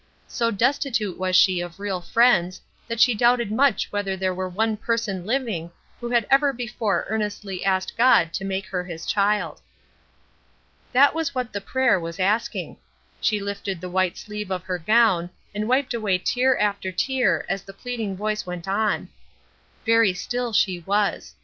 So destitute was she of real friends that she doubted much whether there were one person living who had ever before earnestly asked God to make her his child. That was what this prayer was asking. She lifted the white sleeve of her gown, and wiped away tear after tear as the pleading voice went on. Very still she was.